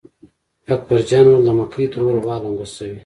اکبر جان وېل: د مکۍ ترور غوا لنګه شوې.